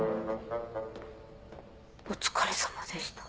お疲れさまでした。